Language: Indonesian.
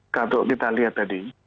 tentu kita lihat tadi